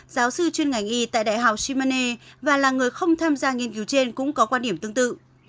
giáo sư chuyên ngành y tại đại học shimane và là người không tham gia nghiên cứu trên cũng có quan điểm tương tự